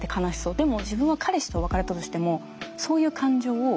でも自分は彼氏と別れたとしてもそういう感情を抱いていない。